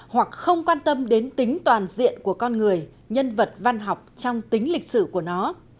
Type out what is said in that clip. hoặc không quan tâm đến tính toàn diện của con người nhân vật văn học trong tính lịch sử của nó